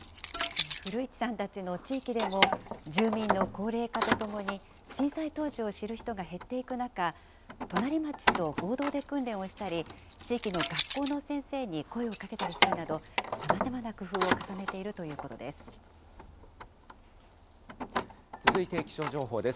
古市さんたちの地域でも、住民の高齢化とともに、震災当時を知る人が減る中、隣町と合同で訓練をしたり、地域の学校の先生に声をかけたりするなど、さまざまな工夫を重ね続いて気象情報です。